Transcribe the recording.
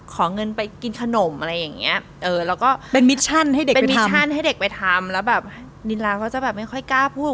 ขอเงินไปกินขนมอะไรอย่างนี้เป็นมิชชั่นให้เด็กไปทำแล้วแบบนิลาเขาจะแบบไม่ค่อยกล้าพูด